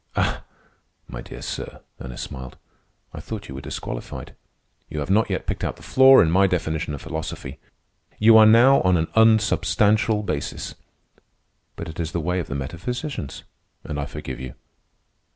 "Ah, my dear sir," Ernest smiled, "I thought you were disqualified. You have not yet picked out the flaw in my definition of philosophy. You are now on an unsubstantial basis. But it is the way of the metaphysicians, and I forgive you.